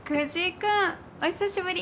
君お久しぶり。